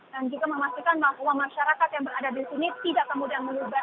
dan juga memastikan bahwa masyarakat yang berada di sini tidak kemudian mengubah kejalanan